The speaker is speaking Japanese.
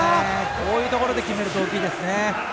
こういうところで決めると大きいですね。